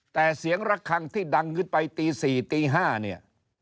แต่เสียงละครังที่ดังขึ้นไปตี๔๕